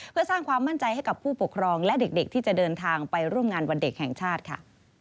เพื่อสร้างความมั่นใจให้กับผู้ปกครองและเด็กที่จะเดินทางไปร่วมงานวันเด็กแห่งชาติค่ะ